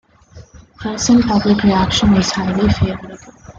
Press and public reaction was highly favourable.